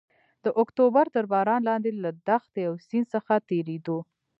د اکتوبر تر باران لاندې له دښتې او سیند څخه تېرېدو.